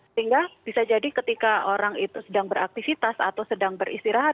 sehingga bisa jadi ketika orang itu sedang beraktivitas atau sedang beristirahat